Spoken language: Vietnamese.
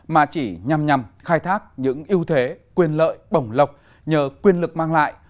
mà chỉ nhằm nhằm khai thác những yêu thế quyền lợi bổng lộc nhờ quyền lực mang lại